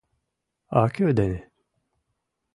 — А кӧ дене?